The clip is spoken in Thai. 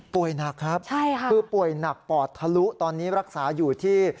หนักครับคือป่วยหนักปอดทะลุตอนนี้รักษาอยู่ที่